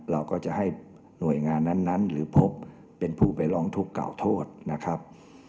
เราก็จะให้หน่วยงานนั้นหรือพบเป็นผู้ไปร้องทุกข์กล่าวโทษนะครับ